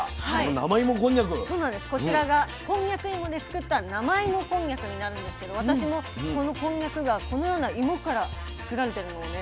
こちらがこんにゃく芋で作った生芋こんにゃくになるんですけど私もこのこんにゃくがこのような芋から作られているのをね